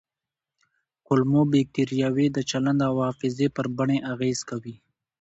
کولمو بکتریاوې د چلند او حافظې پر بڼې اغېز کوي.